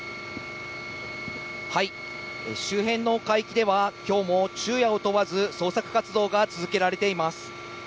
周辺の海域では、きょうも昼夜を問わず、捜索活動が続けられています。